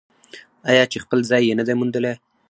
آیا چې خپل ځای یې نه دی موندلی؟